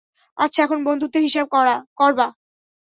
আচ্ছা এখন বন্ধুত্বের হিসাব করবা?